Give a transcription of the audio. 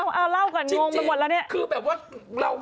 เอาเล่าก่อนงงไปหมดแล้วเนี่ยคือแบบว่า